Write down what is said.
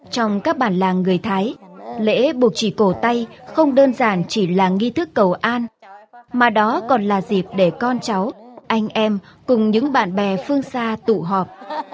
trong các bản làng người thái lễ buộc chỉ cổ tay không đơn giản chỉ là nghi thức cầu an mà đó còn là dịp để con cháu anh em cùng những bạn bè phương xa tụ họp